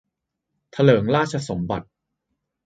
เถลิงราชสมบัติ